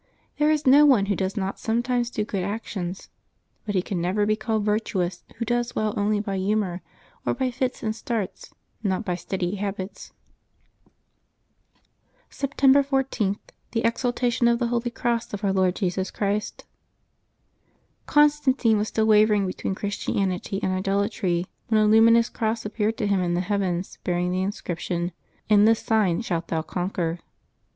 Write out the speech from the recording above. There is no one who does not sometimes do good actions ; but he can never be called virtuous who does well only by humor, or by fits and starts, not by steady habits. September 14.— THE EXALTATION OF THE HOLY CROSS OF OUR LORD JESUS CHRIST. GONSTANTINE was still wavcriug between Christianity and idolatry when a luminous cross appeared to him in the heavens, bearing the inscription, ^^ In this sign shalt thou conquer.'